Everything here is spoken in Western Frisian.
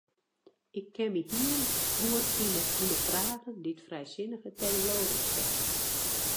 Ik kin my heel goed fine yn de fragen dy't frijsinnige teologen stelle.